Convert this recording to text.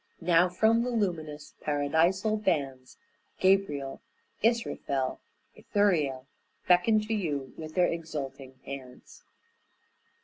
Now from the luminous, paradisal bands, Gabriel, Israfel, Ithuriel, Beckon to you with their exulting hands."